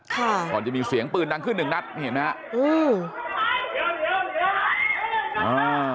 ก่อนจะมีเสียงปืนดังขึ้นหนึ่งนัดเห็นไหมฮะอืมอ่า